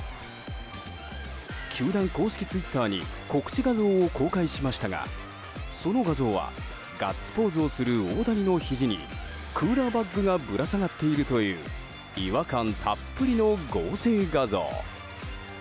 球団公式ツイッターに告知画像を公開しましたがその画像はガッツポーズをする大谷のひじにクーラーバッグがぶら下がっているという違和感たっぷりの合成画像。